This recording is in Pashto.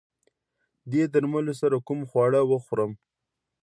دې درملو سره کوم خواړه وخورم؟